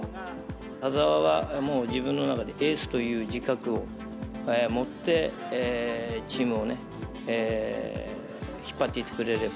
田澤はもう自分の中で、エースという自覚を持って、チームをね、引っ張っていってくれれば。